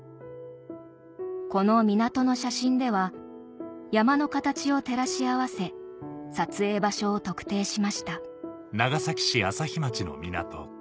この港の写真では山の形を照らし合わせ撮影場所を特定しました